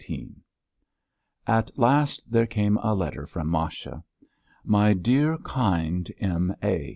XIX At last there came a letter from Masha. "My dear, kind M. A.